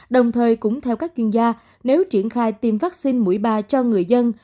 đồng thời cũng theo các chuyên gia nếu triển khai tiêm vaccine mũi ba cho người dân